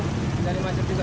menerima cepat juga